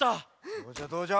どうじゃどうじゃ？